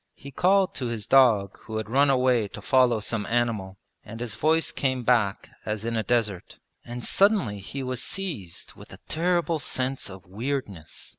He called to his dog who had run away to follow some animal, and his voice came back as in a desert. And suddenly he was seized with a terrible sense of weirdness.